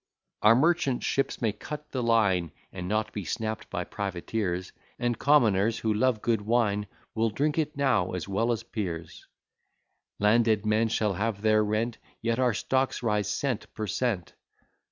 Our merchant ships may cut the line, And not be snapt by privateers. And commoners who love good wine Will drink it now as well as peers: Landed men shall have their rent, Yet our stocks rise _cent, per cent.